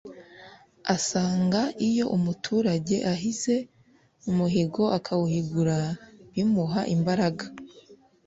Asanga iyo umuturage ahize umuhigo akawuhigura bimuha imbaraga